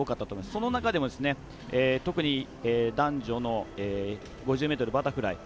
その中でも、特に男女の５０ｍバタフライ。